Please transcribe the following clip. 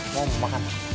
mau mau makan